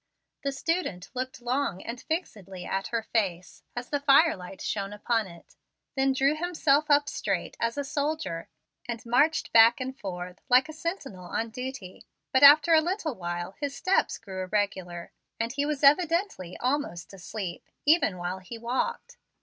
The student looked long and fixedly at her face, as the firelight shone upon it; then drew himself up straight as a soldier, and marched back and forth like a sentinel on duty. But after a little while his steps grew irregular, and he was evidently almost asleep, even while he walked.